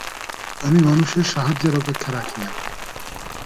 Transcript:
আমি মানুষের সাহায্যের অপেক্ষা রাখি না।